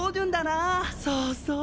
そうそう。